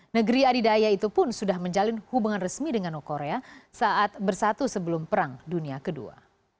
negeri adidaya itu pun sudah menjalin hubungan resmi dengan korea saat bersatu sebelum perang dunia ii